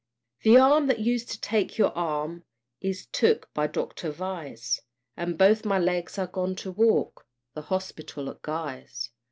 The arm that used to take your arm Is took to Dr. Vyse; And both my legs are gone to walk The hospital at Guy's.